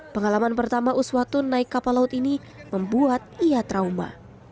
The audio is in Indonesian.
pengalaman pertama uswatun naik kapal laut ini membuat ia trauma